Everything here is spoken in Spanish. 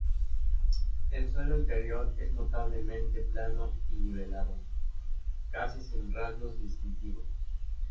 El suelo interior es notablemente plano y nivelado, casi sin rasgos distintivos.